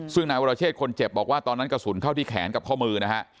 ซึ่งนายวรเชษคนเจ็บบอกว่าตอนนั้นกระสุนเข้าที่แขนกับข้อมือนะฮะ